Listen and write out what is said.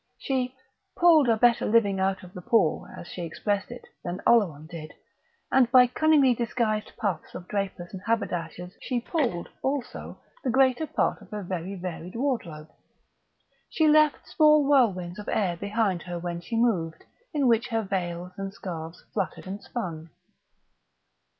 She "pulled a better living out of the pool" (as she expressed it) than Oleron did; and by cunningly disguised puffs of drapers and haberdashers she "pulled" also the greater part of her very varied wardrobe. She left small whirlwinds of air behind her when she moved, in which her veils and scarves fluttered and spun.